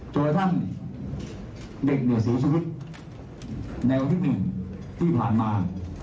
โจรสรรค์ทั้งเด็กเหนือศีรษภิกษ์แนวที่๑ที่ผ่านมา